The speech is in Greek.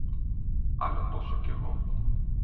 Άλλο τόσο κι εγώ